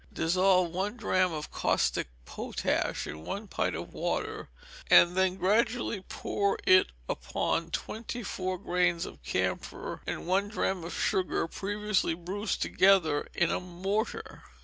Dissolve one drachm of caustic potash in one pint of water, and then gradually pour it upon twenty four grains of camphor and one drachm of sugar, previously bruised together in a mortar.